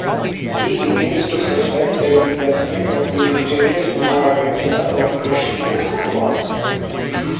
He begins to suspect that the President of the mysterious Narabedla corporation is involved.